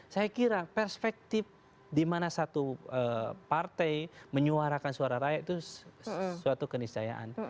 saya kira perspektif dimana satu partai menyuarakan suara rakyat itu suatu kenisayaan